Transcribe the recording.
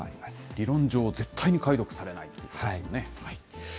理論上、絶対に解読されないということですね。